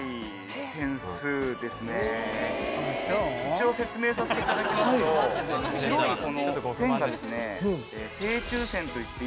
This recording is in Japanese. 一応説明させていただきますと白いこの線がですね。